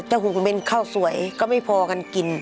ถ้าคุณเป็นข้าวสวยก็ไม่พอกันกิน